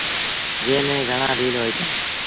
جݩهݩ ميݩ گھڻآ ڀيٚل هوئيٚتآ۔